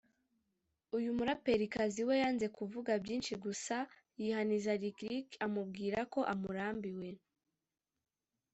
uyu muraperikazi we yanze kuvuga byinshi gusa yihaniza Lick Lick amubwira ko ‘amurambiwe’